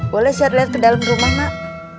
boleh share lihat ke dalam rumah mak